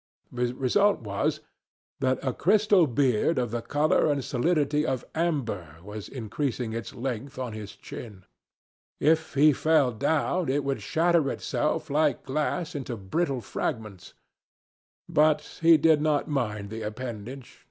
The result was that a crystal beard of the colour and solidity of amber was increasing its length on his chin. If he fell down it would shatter itself, like glass, into brittle fragments. But he did not mind the appendage.